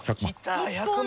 １００万。